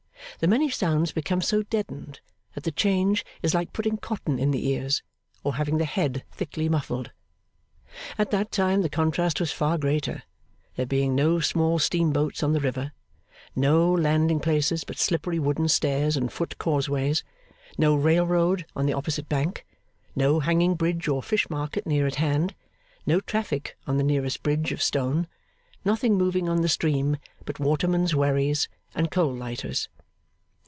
The many sounds become so deadened that the change is like putting cotton in the ears, or having the head thickly muffled. At that time the contrast was far greater; there being no small steam boats on the river, no landing places but slippery wooden stairs and foot causeways, no railroad on the opposite bank, no hanging bridge or fish market near at hand, no traffic on the nearest bridge of stone, nothing moving on the stream but watermen's wherries and coal lighters.